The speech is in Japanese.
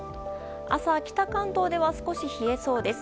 朝、北関東では少し冷えそうです。